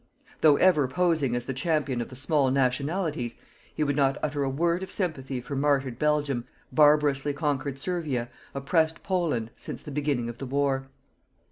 Though ever posing as the champion of the small nationalities, he would not utter a word of sympathy for martyred Belgium, barbarously conquered Servia, oppressed Poland, since the beginning of the war.